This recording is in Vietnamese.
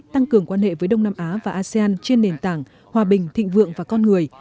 tăng cường quan hệ với đông nam á và asean trên nền tảng hòa bình thịnh vượng và con người